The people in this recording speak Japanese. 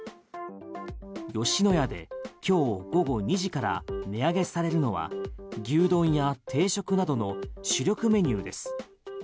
吉野家で今日午後２時から値上げされるのは牛丼屋定食などの主力メニューです。